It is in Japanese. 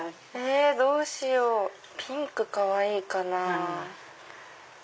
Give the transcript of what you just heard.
どうしようピンクかわいいかな。